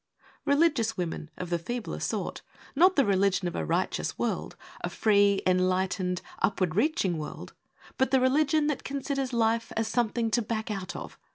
Religious women of the feebler sort Not the religion of a righteous world, A free, enlightened, upward reaching world, But the religion that considers life As something to back out of!